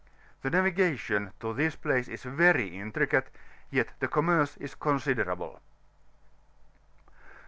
The naviga tion to this place is very intricate, yet the commerce is considerable.